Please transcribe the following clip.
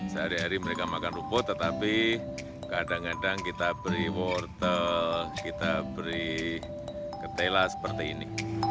sehari hari mereka makan rumput tetapi kadang kadang kita beri wortel kita beri ketela seperti ini